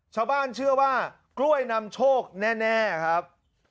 ชาวบ้านเชื่อว่ากล้วยนำโชคแน่ครับ